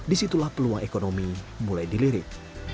disitulah peluang ekonomi mulai dilirik